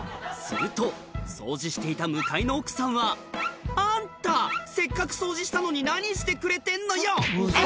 すると掃除していた向かいの奥さんは「あんたせっかく掃除したのに何してくれてんのよ！」